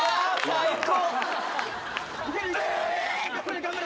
最高。